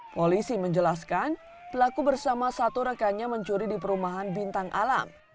polisi menjelaskan pelaku bersama satu rekannya mencuri di perumahan bintang alam